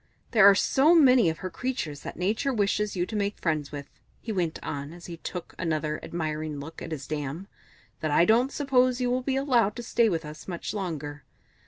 "There are so many of her creatures that Nature wishes you to make friends with," he went on as he took another admiring look at his dam, "that I don't suppose you will be allowed to stay with us much longer.